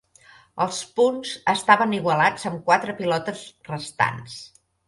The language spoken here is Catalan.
Els punts estaven igualats amb quatre pilotes restants.